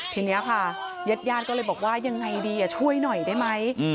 ทีนี้ค่ะญาติญาติก็เลยบอกว่ายังไงดีช่วยหน่อยได้ไหม